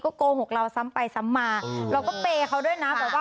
โกหกเราซ้ำไปซ้ำมาเราก็เปย์เขาด้วยนะแบบว่า